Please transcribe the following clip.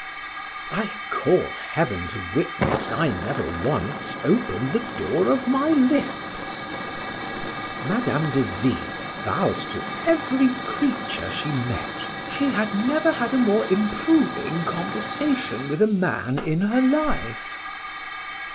I call heaven to witness I never once opened the door of my lips. Madame de V— vow'd to every creature she met—"She had never had a more improving conversation with a man in her life."